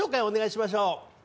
お願いしましょう。